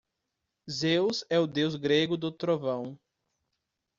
Zeus é o deus grego do trovão.